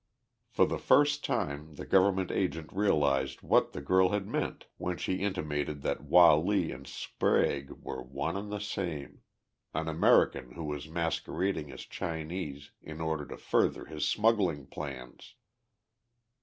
For the first time the government agent realized what the girl had meant when she intimated that Wah Lee and Sprague were one and the same an American who was masquerading as Chinese in order to further his smuggling plans!